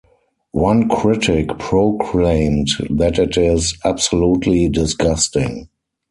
One critic proclaimed that it is absolutely disgusting.